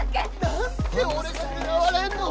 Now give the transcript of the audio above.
なんで俺が狙われるの！？